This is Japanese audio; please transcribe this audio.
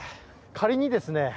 仮にですね